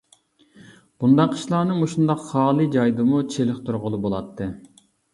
بۇنداق ئىشلارنى مۇشۇنداق خالى جايدىمۇ چېلىقتۇرغىلى بولاتتى.